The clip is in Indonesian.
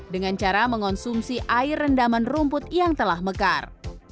dengan cara mengonsumsi air rendaman rumput yang telah mekar